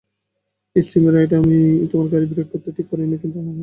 Steven রাইটআমি তোমার গাড়ির ব্রেক ঠিক করতে পারিনি, তাই হর্নটাকে জোরালো করে দিয়েছি।